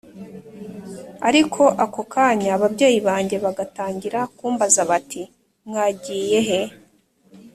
ariko ako kanya ababyeyi banjye bagatangira kumbaza bati mwagiyehe